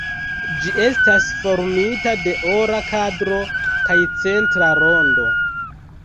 Ĝi estas formita de ora kadro kaj centra rondo.